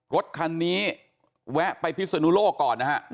รถคันนี้แวะไปพิศนุโลกก่อนนะฮะ